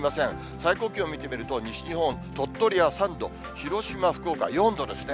最高気温見てみると、西日本、鳥取は３度、広島、福岡４度ですね。